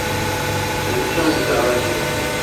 Ben sadece aracıyım.